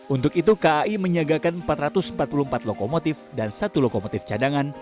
untuk itu kai menyiagakan empat ratus empat puluh empat lokomotif dan satu lokomotif cadangan